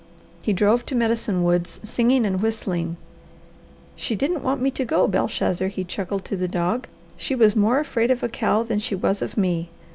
He drove to Medicine Woods singing and whistling. "She didn't want me to go, Belshazzar!" he chuckled to the dog. "She was more afraid of a cow than she was of me.